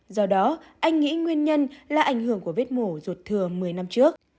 do đó anh nghĩ nguyên nhân là ảnh hưởng của vết mổ ruột thừa một mươi năm trước